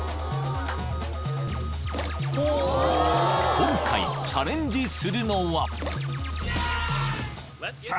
［今回チャレンジするのは］さあ。